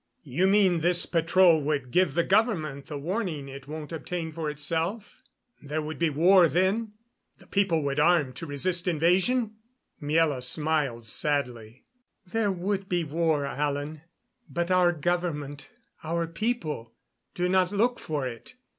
"You mean this patrol would give the government the warning it won't obtain for itself? There would be war then? The people would arm to resist invasion?" Miela smiled sadly. "There would be war, Alan. But our government our people do not look for it.